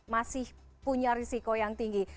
masih punya risiko yang tinggi